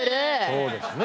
そうですね。